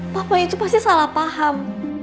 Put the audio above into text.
papa itu pasti salah paham